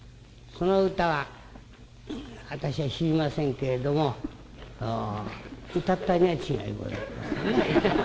その歌は私は知りませんけれども歌ったには違いございませんね。